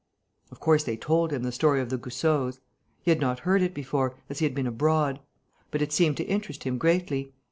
Of course, they told him the story of the Goussots. He had not heard it before, as he had been abroad; but it seemed to interest him greatly.